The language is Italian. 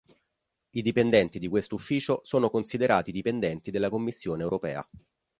I dipendenti di questo ufficio sono considerati dipendenti della Commissione europea.